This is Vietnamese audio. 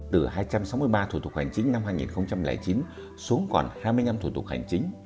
từ hai trăm sáu mươi ba thủ tục hành chính năm hai nghìn chín xuống còn hai mươi năm thủ tục hành chính